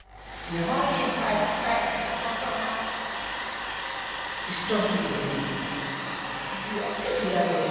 日本へ帰りたいってことがひと筋に。